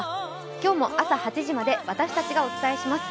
今日も朝８時まで私たちがお伝えします。